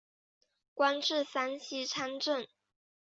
官至山西参政。